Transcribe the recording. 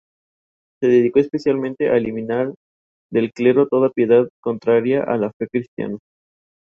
La tercera corona sufrió muchas reformas.